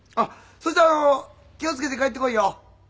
そしたら気を付けて帰ってこいよ。